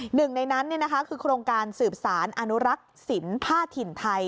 หนึ่งในนั้นคือโครงการสืบสารอนุรักษ์ศิลป์ผ้าถิ่นไทย